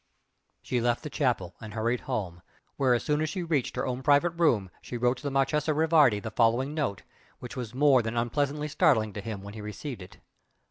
She left the chapel and hurried home, where as soon as she reached her own private room she wrote to the Marchese Rivardi the following note, which was more than unpleasantly startling to him when he received it.